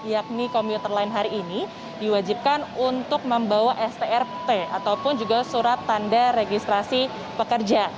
yakni komuter lain hari ini diwajibkan untuk membawa strp ataupun juga surat tanda registrasi pekerja